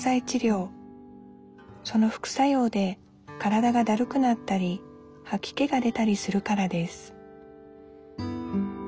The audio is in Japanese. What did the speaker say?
その副作用で体がだるくなったりはき気が出たりするからです